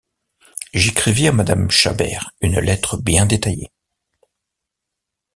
J’écrivis à madame Chabert une lettre bien détaillée.